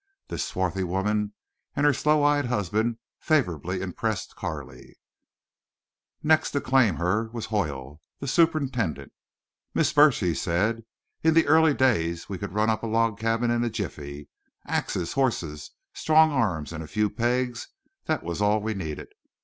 This swarthy woman and her sloe eyed husband favorably impressed Carley. Next to claim her was Hoyle, the superintendent. "Miss Burch," he said, "in the early days we could run up a log cabin in a jiffy. Axes, horses, strong arms, and a few pegs—that was all we needed.